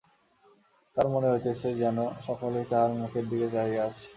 তার মনে হইতেছে, যেন সকলেই তাহার মুখের দিকে চাহিয়া আছে।